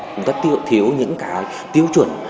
chúng ta thiếu những tiêu chuẩn